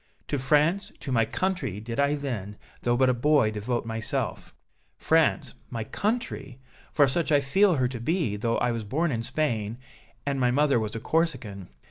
To France, to my country, did I then, though but a boy, devote myself France, my country! for such I feel her to be, though I was born in Spain and my mother was a Corsican.